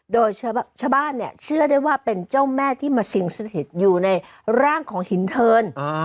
โดยชาวบ้านเนี่ยเชื่อได้ว่าเป็นเจ้าแม่ที่มาสิ่งสถิตอยู่ในร่างของหินเทิน